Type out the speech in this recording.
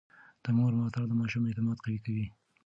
د مور ملاتړ د ماشوم اعتماد قوي کوي.